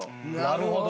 なるほど！